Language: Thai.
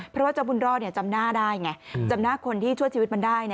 เพราะว่าเจ้าบุญรอดจำหน้าได้ไงจำหน้าคนที่ช่วยชีวิตมันได้